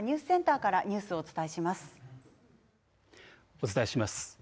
お伝えします。